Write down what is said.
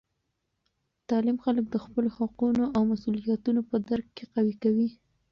تعلیم خلک د خپلو حقونو او مسؤلیتونو په درک کې قوي کوي.